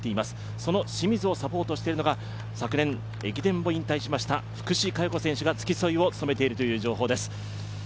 その清水をサポートしているのが昨年駅伝を引退しました福士加代子選手が付き添いを務めているという情報です。